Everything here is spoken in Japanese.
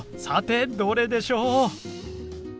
さてどれでしょう？